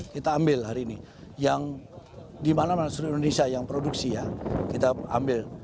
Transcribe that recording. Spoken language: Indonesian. kita ambil hari ini yang dimana mana seluruh indonesia yang produksi ya kita ambil